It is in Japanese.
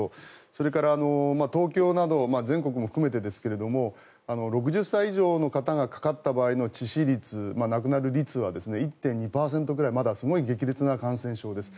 それから、東京など全国も含めてですけど６０歳以上の方がかかった場合の致死率亡くなる率は１．２％ぐらいまだすごい激烈な感染症です。